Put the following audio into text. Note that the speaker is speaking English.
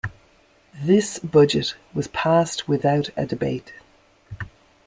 This budget was passed without a debate.